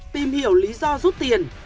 tìm hiểu lý do rút tiền